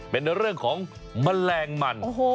เป็นเรื่องของแมลงมัน